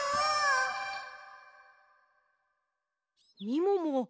みもも